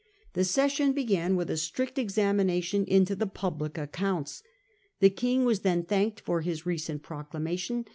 The session began with a strict examination into the public accounts. The King was then thanked for his Renewal of recent proclamation.